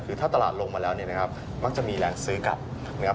คือถ้าตลาดลงมาแล้วมักจะมีแรงซื้อกลับ